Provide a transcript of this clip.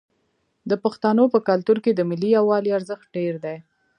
د پښتنو په کلتور کې د ملي یووالي ارزښت ډیر دی.